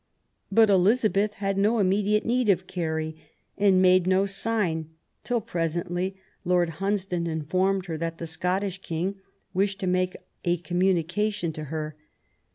But Elizabeth had no im mediate need of Carey, and made no sign, till presently Lord Hunsdon informed her that the Scottish King wished to make a communication to her.